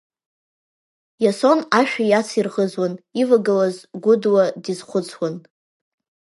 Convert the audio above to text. Иасон ашәа иацирӷызуан, ивагылаз Гәыдуа дизхәыцуан.